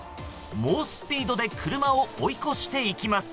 猛スピードで車を追い越していきます。